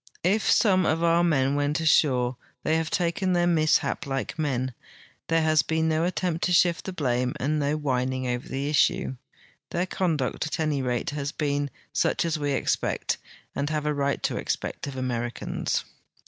If some of our men went ashore, they have taken their mishap like men ; there has been no at tempt to shift the blame and no whining over the issue. 'I'heir conduct, at any rate, has been such as we expect, and have a right to expect of Americans.